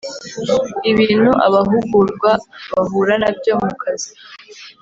ibintu abahugurwa bahura na byo mu kazi